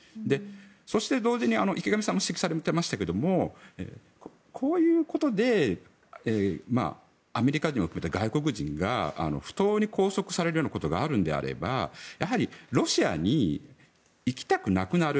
そして、同時に池上さんも指摘されていましたがこういうことでアメリカ人を含む外国人が不当に拘束されるようなことがあるのであればロシアに行きたくなくなる。